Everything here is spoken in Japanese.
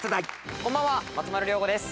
こんばんは松丸亮吾です。